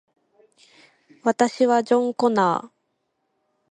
私はジョン・コナー